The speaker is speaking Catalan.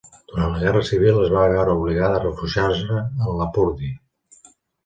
Durant la Guerra Civil es va veure obligada a refugiar-se en Lapurdi.